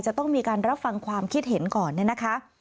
จะต้องมีการรับฟังความคิดเห็นก่อนเนี่ยนะคะ